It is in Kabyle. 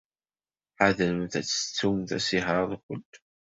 Ḥadremt ad tettumt asihaṛ-nwent?